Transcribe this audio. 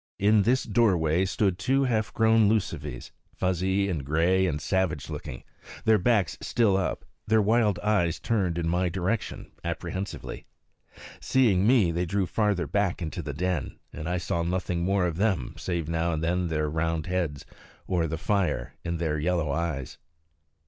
In this doorway stood two half grown lucivees, fuzzy and gray and savage looking, their backs still up, their wild eyes turned in my direction apprehensively. Seeing me they drew farther back into the den, and I saw nothing more of them save now and then their round heads, or the fire in their yellow eyes.